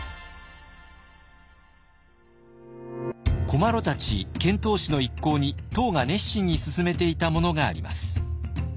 古麻呂たち遣唐使の一行に唐が熱心に勧めていたものがあります。